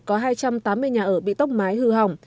có hai trăm tám mươi nhà ở bị tốc mái hư hỏng